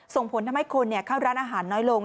ส่งผลทำให้คนเข้าร้านอาหารน้อยลง